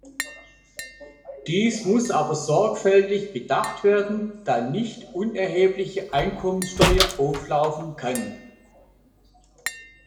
Dies muss aber sorgfältig bedacht werden, da nicht unerhebliche Einkommensteuer auflaufen kann.